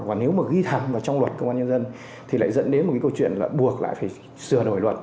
và nếu mà ghi thẳng vào trong luật công an nhân dân thì lại dẫn đến một cái câu chuyện là buộc lại phải sửa đổi luật